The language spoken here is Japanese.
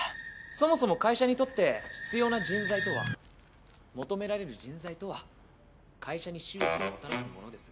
そもそも会社にとって必要な人材とは求められる人材とは会社に収益をもたらす者です。